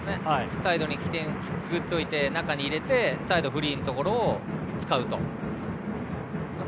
サイドに起点を作って中に入れてサイド、フリーのところを使うと。